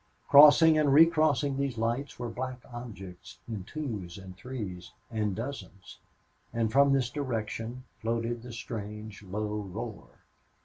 Crossing and re crossing these lights were black objects, in twos and threes and dozens. And from this direction floated the strange, low roar.